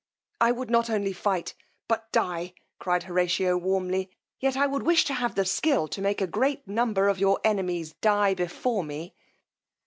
I would not only fight, but die, cried Horatio warmly; yet I would wish to have the skill to make a great number of your enemies die before me.